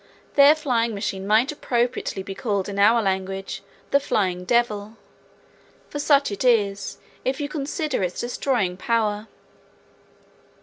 Their flying machine might appropriately be called in our language, the Flying Devil, for such it is if you consider its destroying power.